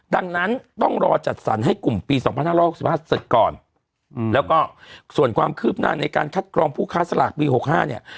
ดังนั้นต้องรอจัดสรรให้กลุ่มปีสองพันห้าร้อยห้าร้อยห้าสิบห้าเสร็จก่อนอืมแล้วก็ส่วนความคืบหน้าในการคัดกรองผู้ค้าสลากปีหกห้าเนี้ย